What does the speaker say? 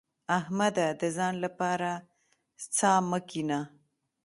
احمده! د ځان لپاره څا مه کينه.